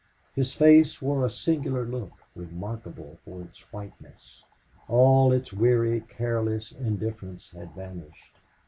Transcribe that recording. His face wore a singular look, remarkable for its whiteness. All its weary, careless indifference had vanished.